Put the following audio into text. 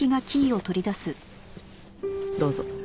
どうぞ。